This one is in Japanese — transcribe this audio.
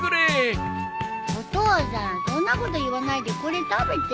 お父さんそんなこと言わないでこれ食べてよ。